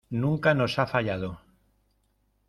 Nunca nos ha fallado.